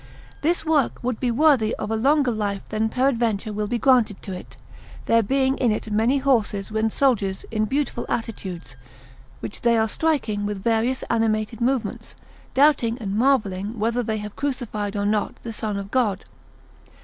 This work would be worthy of a longer life than peradventure will be granted to it, there being in it many horses and soldiers in beautiful attitudes, which they are striking with various animated movements, doubting and marvelling whether they have crucified or not the Son of God.